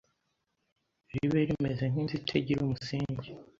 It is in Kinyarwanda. ribe rimeze nk’inzu itegire umusingi